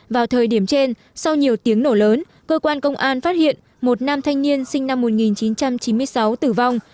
vào thời điểm trên sau nhiều tiếng nổ lớn cơ quan công an phát hiện một nam thanh niên sinh năm một nghìn chín trăm chín mươi sáu tử vong